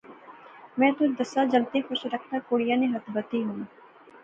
میں تو دساں جنگتے خوش رکھنا کڑیا نی ہتھ بتی ہونی